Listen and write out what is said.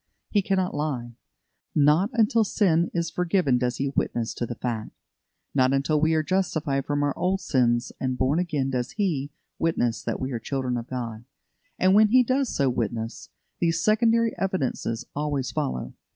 He cannot lie. Not until sin is forgiven does He witness to the fact. Not until we are justified from our old sins and born again does He witness that we are children of God; and when He does so witness, these secondary evidences always follow.